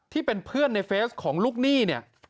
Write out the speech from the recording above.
ที่เป็นเพื่อนในเฟสของลูกหนี้เนี่ย